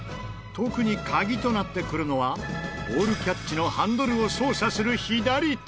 特に鍵となってくるのはボールキャッチのハンドルを操作する左手。